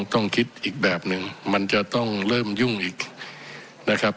ต้องคิดอีกแบบหนึ่งมันจะต้องเริ่มยุ่งอีกนะครับ